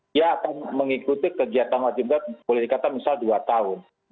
dia akan mengikuti kegiatan wajib boleh dikatakan misal dua tahun